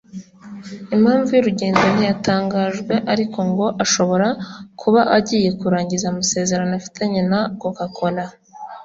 impamvu y’urugendo ntiyatangajwe ariko ngo ashobora kuba agiye kurangiza amasezerano afitanye na Coca Cola